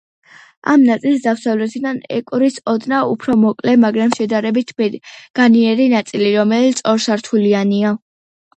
ამ ნაწილს დასავლეთიდან ეკვრის ოდნავ უფრო მოკლე, მაგრამ შედარებით განიერი ნაწილი რომელიც ორსართულიანია.